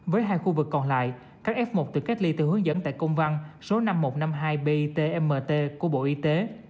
với hai khu vực còn lại các f một được cách ly theo hướng dẫn tại công văn số năm nghìn một trăm năm mươi hai bitmt của bộ y tế